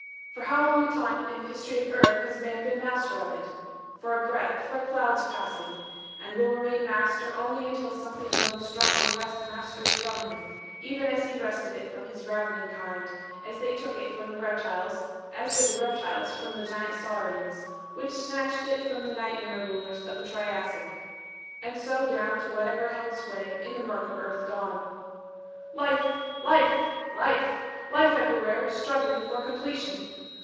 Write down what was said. "For how long a time in the history of earth has man been master of it? For a breath for a cloud's passing. And will remain master only until something grown stronger wrests mastery from him even as he wrested it from his ravening kind as they took it from the reptiles as did the reptiles from the giant saurians which snatched it from the nightmare rulers of the Triassic and so down to whatever held sway in the murk of earth dawn. "Life! Life! Life! Life everywhere struggling for completion!